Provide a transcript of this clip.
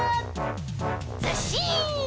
ずっしん！